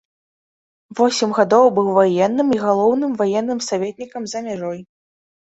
Восем гадоў быў ваенным і галоўным ваенным саветнікам за мяжой.